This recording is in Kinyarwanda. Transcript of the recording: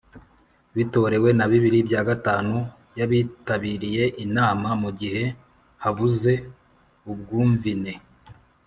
bitorewe na bibiri bya gatatu y’abitabiriye inama mu gihe habuze ubwumvine.